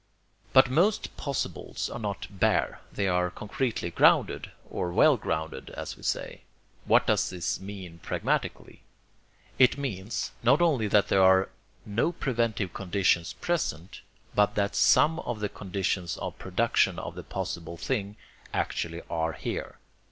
But most possibles are not bare, they are concretely grounded, or well grounded, as we say. What does this mean pragmatically? It means, not only that there are no preventive conditions present, but that some of the conditions of production of the possible thing actually are here.